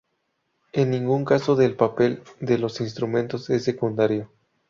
En ningún caso el papel de los instrumentos es secundario.